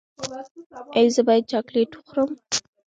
ایا زه باید چاکلیټ وخورم؟